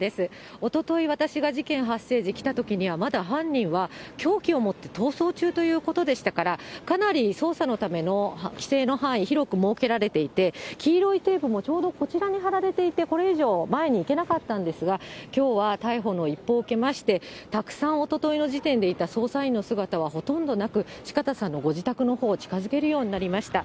おととい、私が事件発生時に来たときには、まだ犯人は凶器を持って逃走中ということでしたから、かなり捜査のための規制の範囲、広く設けられていて、黄色いテープもちょうどこちらに張られていて、これ以上、前に行けなかったんですが、きょうは逮捕の一報を受けまして、たくさんおとといの時点でいた捜査員の姿はほとんどなく、四方さんのご自宅のほう、近づけるようになりました。